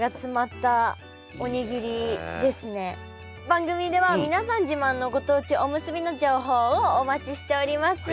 番組では皆さん自慢のご当地おむすびの情報をお待ちしております。